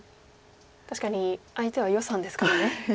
確かに相手は余さんですからね。